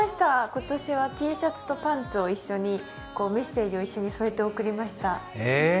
今年はＴシャツとパンツを一緒にメッセージを一緒に添えて贈りました。